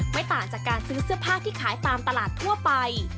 ไม่ต่างจากการซื้อเสื้อผ้าที่ขายตามตลาดทั่วไป